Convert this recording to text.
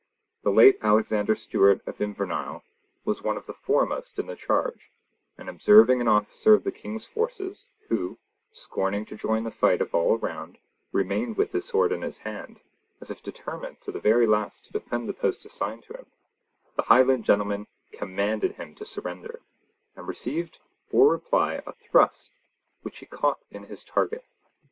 The late Alexander Stewart of Invernahylewas one of the foremost in the charge, and observing an officer of the King's forces, who, scorning to join the flight of all around, remained with his sword in his hand, as if determined to the very last to defend the post assigned to him, the Highland gentleman commanded him to surrender, and received for reply a thrust, which he caught in his target.